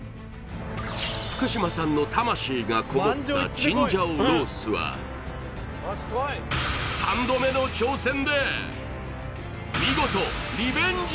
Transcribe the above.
福島さんの魂がこもったチンジャオロースは三度目の挑戦で見事リベンジ